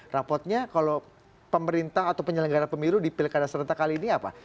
rapotnya kalau pemerintah atau penyelenggara pemilu di pilkada serentak kali ini apa